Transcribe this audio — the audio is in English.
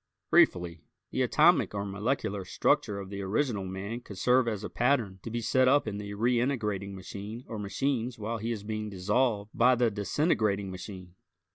Briefly, the atomic or molecular structure of the original man could serve as a pattern to be set up in the reintegrating machine or machines while he is being dissolved by the disintegrating machine.